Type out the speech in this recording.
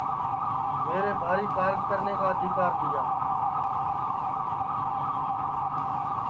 میرے بھاری کارج کرنے کا آدیکر دٚیا